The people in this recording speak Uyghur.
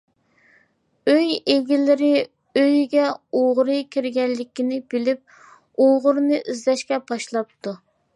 ئۆي ئىگىلىرى ئۆيىگە ئوغرى كىرگەنلىكىنى بىلىپ، ئوغرىنى ئىزدەشكە باشلاپتۇ.